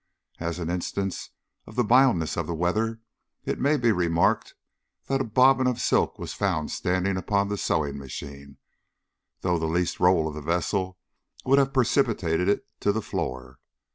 As an instance of the mildness of the weather, it may be remarked that a bobbin of silk was found standing upon the sewing machine, though the least roll of the vessel would have precipitated it to the floor.